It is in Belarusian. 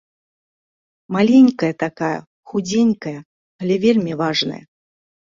Маленькая такая, худзенькая, але вельмі важная.